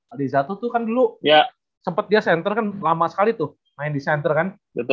adi zatu tuh kan dulu sempat dia center kan lama sekali tuh main di center kan